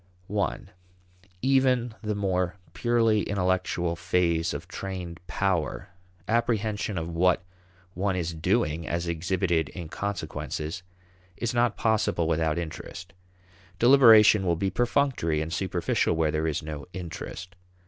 (i) Even the more purely intellectual phase of trained power apprehension of what one is doing as exhibited in consequences is not possible without interest. Deliberation will be perfunctory and superficial where there is no interest.